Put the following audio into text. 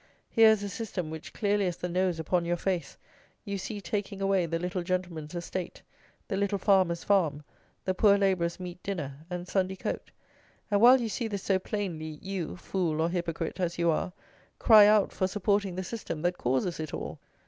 Here is a system which, clearly as the nose upon your face, you see taking away the little gentleman's estate, the little farmer's farm, the poor labourer's meat dinner and Sunday coat; and while you see this so plainly, you, fool or hypocrite, as you are, cry out for supporting the system that causes it all!